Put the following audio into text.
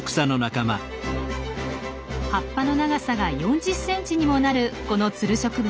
葉っぱの長さが４０ｃｍにもなるこのツル植物。